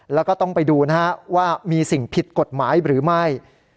แล้วก็ต้องไปดูนะฮะว่ามีสิ่งผิดกฎหมายหรือไม่